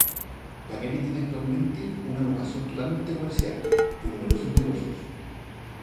La calle tiene actualmente una vocación totalmente comercial, con numerosos negocios.